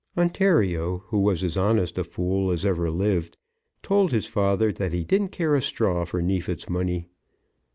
Ontario, who was as honest a fool as ever lived, told his father that he didn't care a straw for Neefit's money.